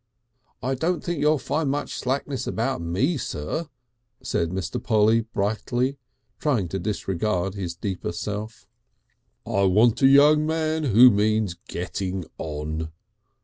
"I don't think you'd find much slackness about me, sir," said Mr. Polly brightly, trying to disregard his deeper self. "I want a young man who means getting on."